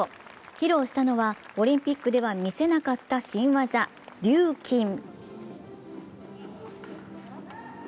披露したのはオリンピックでは見せなかった新技、リューキン。